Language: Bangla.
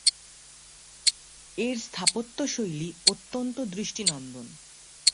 এর স্থাপত্যশৈলী অত্যন্ত দৃষ্টিনন্দন।